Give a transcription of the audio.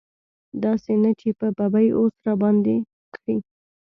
داسې نه چې په ببۍ اوس راباندې کړي.